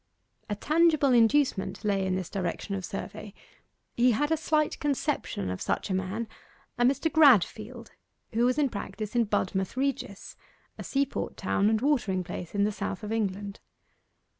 A tangible inducement lay in this direction of survey. He had a slight conception of such a man a Mr. Gradfield who was in practice in Budmouth Regis, a seaport town and watering place in the south of England.